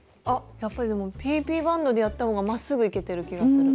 やっぱりでもＰＰバンドでやったほうがまっすぐいけてる気がする。